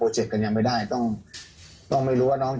จริง